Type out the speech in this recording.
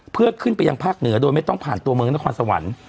เพื่อขึ้นไปยังภาคเหนือโดยไม่ต้องผ่านตัวเมืองนครสวรรค์